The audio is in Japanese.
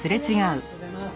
おはようございます。